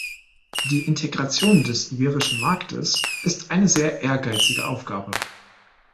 Die Integration des iberischen Marktes ist eine sehr ehrgeizige Aufgabe.